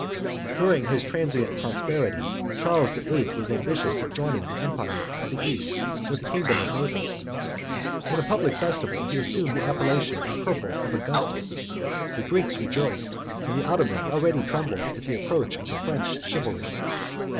91 During his transient prosperity, Charles the Eighth was ambitious of joining the empire of the East with the kingdom of Naples: in a public festival, he assumed the appellation and the purple of Augustus: the Greeks rejoiced and the Ottoman already trembled, at the approach of the French chivalry.